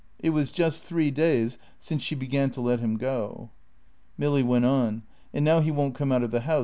It was just three days since she began to let him go. Milly went on. "And now he won't come out of the house.